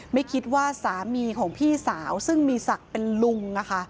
ไม่คิดว่าสามีของพี่สาวซึ่งมีศักดิ์เป็นลุง